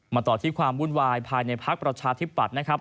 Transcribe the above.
ต่อที่ความวุ่นวายภายในภักดิ์ประชาธิปัตย์นะครับ